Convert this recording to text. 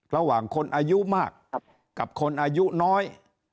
ระหว่างคนอายุมากกับคนอายุน้อย